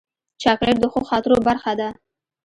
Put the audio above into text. چاکلېټ د ښو خاطرو برخه ده.